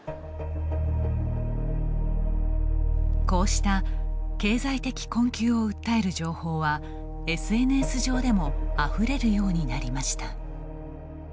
こうした経済的困窮を訴える情報はＳＮＳ上でもあふれるようになりました。